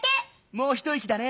もうひといきだね。